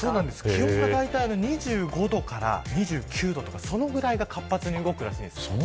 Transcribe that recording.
気温がだいたい２５度から２９度とかそのくらいが活発に動くらしいんです。